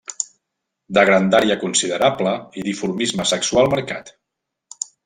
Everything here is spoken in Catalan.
De grandària considerable i dimorfisme sexual marcat.